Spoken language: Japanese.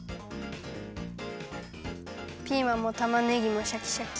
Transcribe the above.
ピーマンもたまねぎもシャキシャキ。